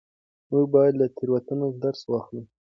موږ باید له تېروتنو درس واخلو.